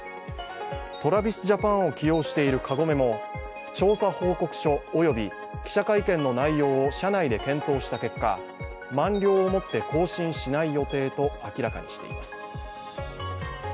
ＴｒａｖｉｓＪａｐａｎを起用しているカゴメも調査報告書及び記者会見の内容を社内で検討した結果、満了をもって更新しない予定と明らかにしています。